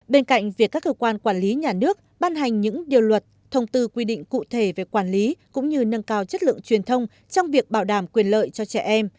bên cạnh việc các cơ quan quản lý nhà nước ban hành những điều luật thông tư quy định cụ thể về quản lý cũng như nâng cao chất lượng truyền thông trong việc bảo đảm quyền lợi cho trẻ em